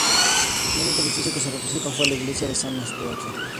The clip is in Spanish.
El único edificio que se respetó fue la iglesia de San Eustaquio.